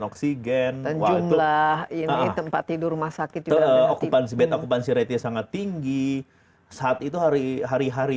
oksigen dan jumlah ini tempat tidur rumah sakit bad okupansi ratenya sangat tinggi saat itu hari hari